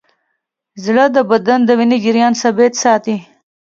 زړه د بدن د وینې جریان ثابت ساتي.